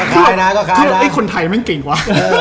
อเจมส์คืออะไรคนไทยมันแก่งวะ